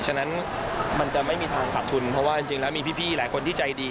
ฉะนั้นมันจะไม่มีทางขาดทุนเพราะว่าจริงแล้วมีพี่หลายคนที่ใจดี